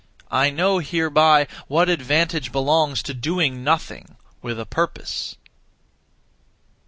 I know hereby what advantage belongs to doing nothing (with a purpose).